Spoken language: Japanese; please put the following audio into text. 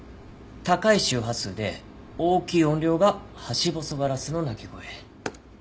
高い周波数で大きい音量がハシボソガラスの鳴き声。